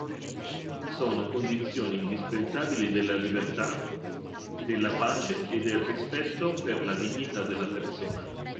Sono condizioni indispensabili della libertà, della pace e del rispetto per la dignità della persona.